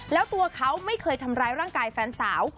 แล้วตัวเขาไม่เคยทำร้ายร่างกายแฟนสาว